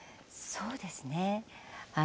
そうですね。